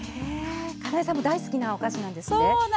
かなえさんも大好きなお菓子なんですね。